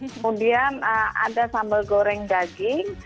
kemudian ada sambal goreng daging